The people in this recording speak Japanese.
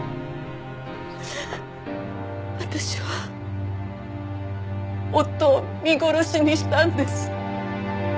私は夫を見殺しにしたんです。